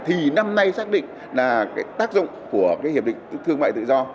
thì năm nay xác định là cái tác dụng của cái hiệp định thương mại tự do